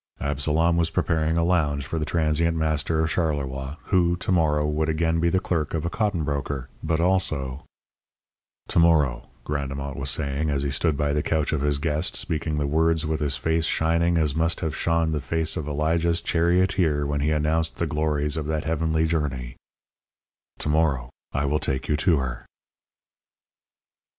Absalom was preparing a lounge for the transient master of Charleroi, who, to morrow, would be again the clerk of a cotton broker, but also "To morrow," Grandemont was saying, as he stood by the couch of his guest, speaking the words with his face shining as must have shone the face of Elijah's charioteer when he announced the glories of that heavenly journey "To morrow I will take you to Her."